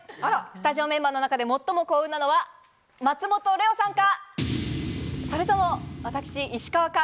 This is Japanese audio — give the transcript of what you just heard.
スタジオメンバーの中で最も幸運なのは松本怜生さんか、それとも私、石川か。